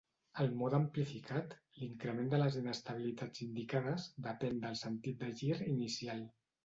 El mode amplificat, l'increment de les inestabilitats indicades, depèn del sentit de gir inicial.